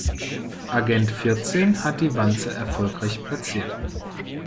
Agent vierzehn hat die Wanze erfolgreich platziert.